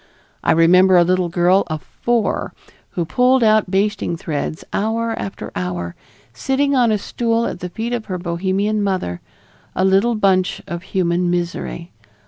I remember a little girl of four who pulled out basting threads hour after hour, sitting on a stool at the feet of her Bohemian mother, a little bunch of human misery.